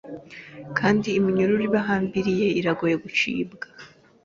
kandi iminyururu abahambiriye iragoye gucibwa.